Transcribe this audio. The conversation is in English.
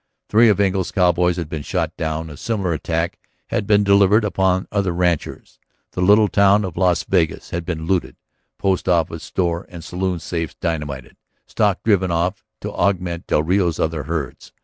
Three of Engle's cowboys had been shot down; a similar attack had been delivered upon other ranches. The little town of Las Vegas had been looted, post office, store, and saloon safes dynamited, stock driven off to augment del Rio's other herds.